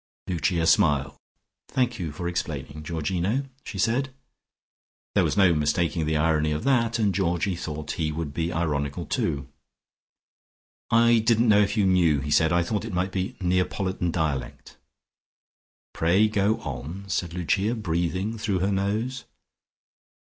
Lucia smiled. "Thank you for explaining, Georgino," she said. There was no mistaking the irony of that, and Georgie thought he would be ironical too. "I didn't know if you knew," he said. "I thought it might be Neapolitan dialect." "Pray, go on!" said Lucia, breathing through her nose.